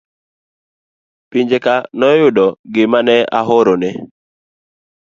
Penje ka noyudo gima ne ahorone